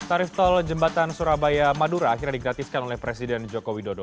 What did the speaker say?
tarif tol jembatan surabaya madura akhirnya digratiskan oleh presiden joko widodo